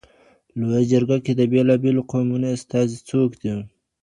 لویه جرګه کي د بېلابېلو قومونو استازي څوک دي؟